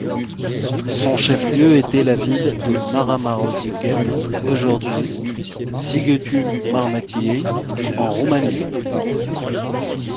Son chef-lieu était la ville de Máramarossziget, aujourd'hui Sighetu Marmației en Roumanie.